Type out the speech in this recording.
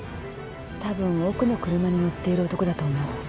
たぶん奥の車に乗っている男だと思う。